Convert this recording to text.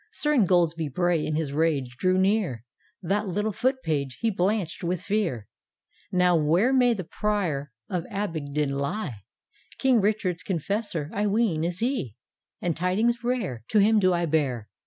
Sir Ingoldsby Bray in his rage drew near, That little Foot page, he blanch'd with fear ;" Now where may the Prior of Abingdon lie? King Richard's confessor, I ween, is he, And tidings rare To him do I bear.